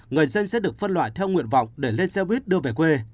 người dân sẽ được phân loại theo nguyện vọng để lên xe buýt đưa về quê